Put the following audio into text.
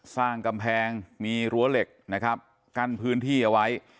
สร้างกำแพงมีรั้วเหล็กนะครับกั้นพื้นที่เอาไว้